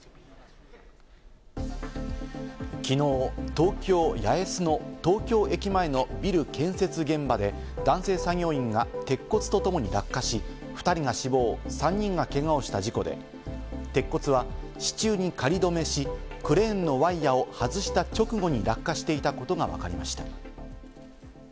きのう、東京・八重洲の東京駅前のビル建設現場で男性作業員が鉄骨とともに落下し、２人が死亡、３人がけがをした事故で、鉄骨は支柱に仮止めし、クレーンのワイヤーを外した直後に落下していたことがわかりました。